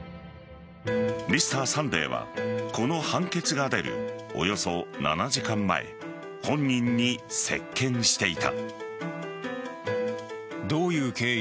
「Ｍｒ．サンデー」はこの判決が出るおよそ７時間前本人に接見していた。